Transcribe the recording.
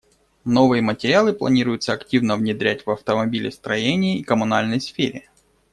Новые материалы планируется активно внедрять в автомобилестроении и коммунальной сфере.